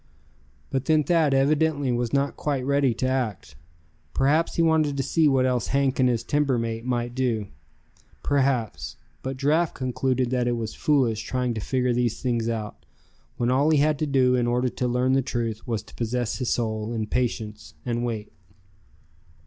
But then Thad evidently was not quite ready to act. Perhaps he wanted to see what else Hank and his timber mate might do. Perhaps but Giraffe concluded that it was foolish trying to figure these things out, when all he had to do in order to learn the truth, was to possess his soul in patience and wait.